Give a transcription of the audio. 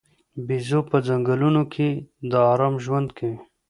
بیزو په ځنګلونو کې د آرام ژوند کوي.